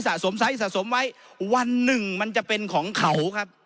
ไซส์สะสมไว้วันหนึ่งมันจะเป็นของเขาครับ